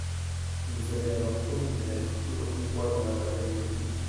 Vous avez alors promis de mettre tout votre poids dans la bataille politique.